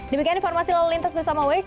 demikian informasi lelintas bersama waze